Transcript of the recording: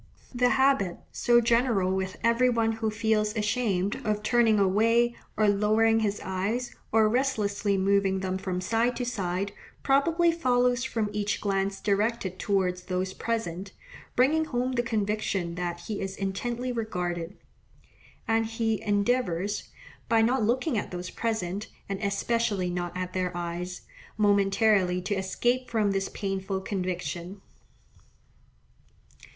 The habit, so general with every one who feels ashamed, of turning away, or lowering his eyes, or restlessly moving them from side to side, probably follows from each glance directed towards those present, bringing home the conviction that he is intently regarded; and he endeavours, by not looking at those present, and especially not at their eyes, momentarily to escape from this painful conviction.